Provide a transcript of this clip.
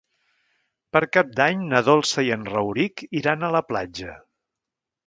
Per Cap d'Any na Dolça i en Rauric iran a la platja.